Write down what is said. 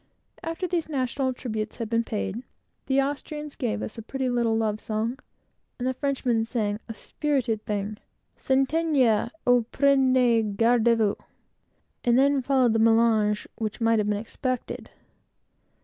After these national tributes had been paid, the Austrian gave us a very pretty little love song, and the Frenchmen sang a spirited thing called "Sentinelle! O prenez garde a vous!" and then followed the melange which might have been expected.